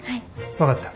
分かった。